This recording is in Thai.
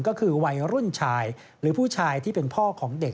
ก็คือวัยรุ่นชายหรือผู้ชายที่เป็นพ่อของเด็ก